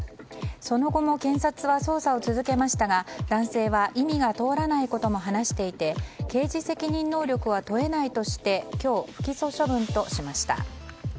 その後も検察は捜査を続けましたが男性は意味が通らないことも話していて刑事責任能力は問えないとして今日、不起訴処分としました。